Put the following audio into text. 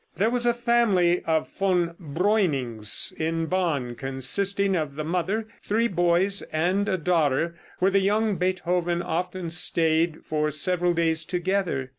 There was a family of Von Breunings in Bonn, consisting of the mother, three boys and a daughter, where the young Beethoven often stayed for several days together.